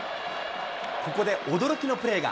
ここで驚きのプレーが。